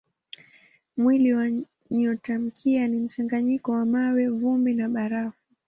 Mwili wa nyotamkia ni mchanganyiko wa mawe, vumbi na barafu.